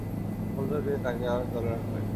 ফলশ্রুতিতে, তাকে আর দলে রাখা হয়নি।